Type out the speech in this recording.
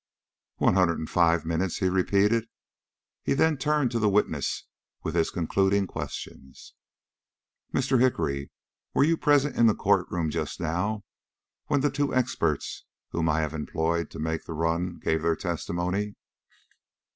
"One hundred and five minutes," he repeated. He then turned to the witness with his concluding questions. "Mr. Hickory, were you present in the court room just now when the two experts whom I have employed to make the run gave their testimony?"